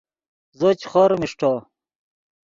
زو چے خوریم اݰٹو